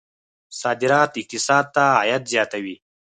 صادرات اقتصاد ته عاید زیاتوي.